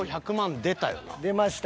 出ました。